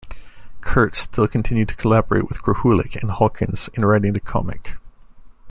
Kurtz still continued to collaborate with Krahulik and Holkins in writing the comic.